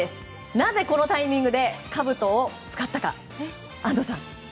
なぜこのタイミングでかぶとを使ったか、安藤さん。